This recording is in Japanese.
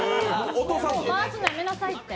回すのやめなさいって。